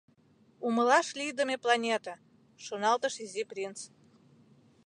«Умылаш лийдыме планете! — шоналтыш Изи принц.